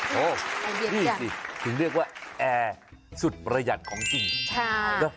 โอ้นี่สิถึงเรียกว่าแอร์สุดประหยัดของจริง